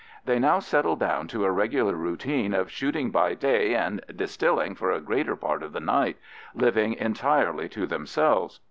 They now settled down to a regular routine of shooting by day and distilling for a greater part of the night, living entirely to themselves.